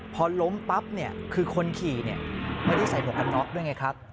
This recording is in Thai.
พอล้มปั๊บเนี่ยคือคนขี่ไม่ได้ใส่หมวกกันน็อกด้วยไงครับ